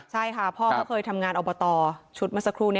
ใช่ค่ะพ่อเขาเคยทำงานอบตชุดเมื่อสักครู่นี้